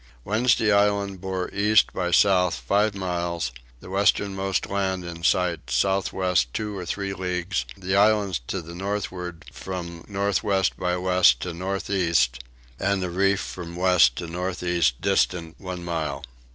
Wednesday Island bore east by south five miles; the westernmost land in sight south west two or three leagues; the islands to the northward from north west by west to north east, and the reef from west to north east distant one mile.